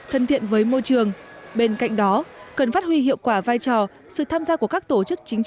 thân thiện với môi trường bên cạnh đó cần phát huy hiệu quả vai trò sự tham gia của các tổ chức chính